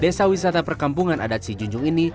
desa wisata perkampungan adat sijunjung ini